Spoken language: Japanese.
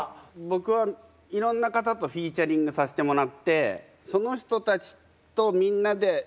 僕はいろんな方とフィーチャリングさせてもらってその人たちとみんなで一曲ずつ作ってます。